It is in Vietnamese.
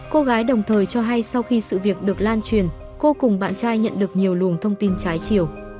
cô gái đồng thời cho hay sau khi sự việc được lan truyền cô cùng bạn trai nhận được nhiều luồng thông tin trái chiều